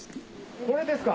これですか？